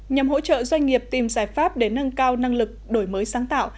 nhằm hỗ trợ doanh nghiệp tìm giải pháp để nâng cao năng lực đổi mới sáng tạo